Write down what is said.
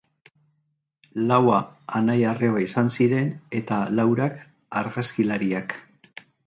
Laua anai-arreba izan ziren eta laurak argazkilariak.